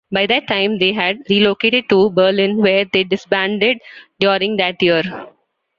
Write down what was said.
By that time they had relocated to Berlin where they disbanded during that year.